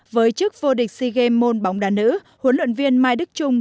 với chức vô địch sea games môn bóng đá nữ huấn luyện viên mai đức trung